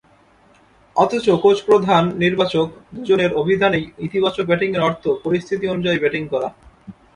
অথচ কোচপ্রধান নির্বাচক দুজনের অভিধানেই ইতিবাচক ব্যাটিংয়ের অর্থ পরিস্থিতি অনুযায়ী ব্যাটিং করা।